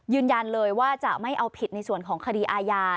ยืนยันเลยว่าจะไม่เอาผิดในส่วนของคดีอาญา